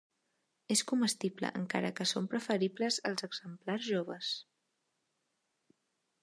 És comestible encara que són preferibles els exemplars joves.